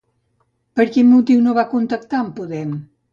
Per quin motiu no va contactar amb Podem?